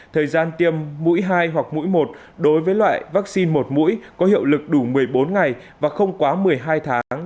thời gian tiêm mũi hai hoặc mũi một đối với loại vaccine một mũi có hiệu lực đủ một mươi bốn ngày và không quá một mươi hai tháng